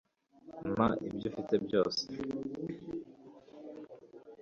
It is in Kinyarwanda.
Mpa ibyo ufite byose